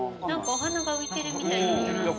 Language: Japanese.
お花が浮いてるみたいな。